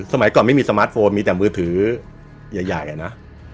สมัยก่อนไม่มีสมาร์ทโฟนมีแต่มือถือใหญ่อะนะ